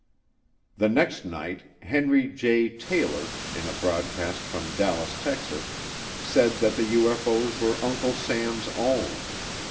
The next night Henry J. Taylor, in a broadcast from Dallas, Texas, said that the UFO's were Uncle Sam's own.